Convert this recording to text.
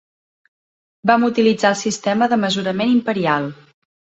Vam utilitzar el sistema de mesurament imperial.